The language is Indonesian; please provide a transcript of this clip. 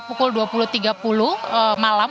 pukul dua puluh tiga puluh malam